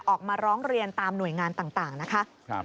ออกมาร้องเรียนตามหน่วยงานต่างนะคะ